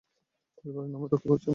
পরিবারের নামই রক্ষা করছি আমি।